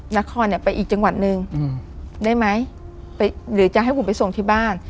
นครเนี่ยไปอีกจังหวัดหนึ่งได้ไหมหรือจะให้ผมไปส่งที่บ้าน